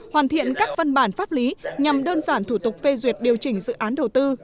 hoàn thiện các văn bản pháp lý nhằm đơn giản thủ tục phê duyệt điều chỉnh dự án đầu tư